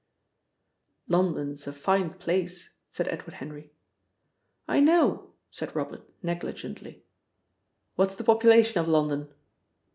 "London's a fine place," said Edward Henry. "I know," said Robert negligently. "What's the population of London?"